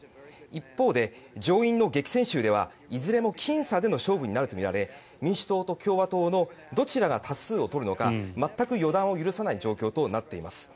一方で、上院の激戦州ではいずれもきん差での勝負になるとみられ民主党と共和党のどちらが多数を取るのか全く予断を許さない状況となっています。